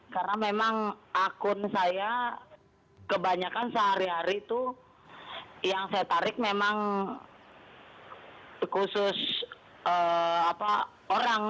karena memang akun saya kebanyakan sehari hari itu yang saya tarik memang khusus orang